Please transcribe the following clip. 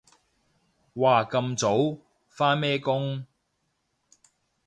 哇咁早？返咩工？